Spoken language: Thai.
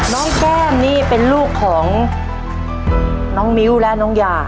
แก้มนี่เป็นลูกของน้องมิ้วและน้องยา